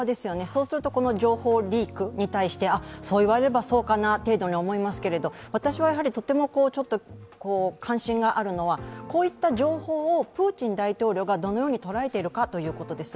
そうするとこの情報リークに対して、そう言われればそうかな程度に思いますけど私はやはり、とても関心があるのはこういった情報をプーチン大統領がどのように捉えているかというところです。